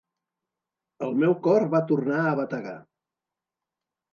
El meu cor va tornar a bategar.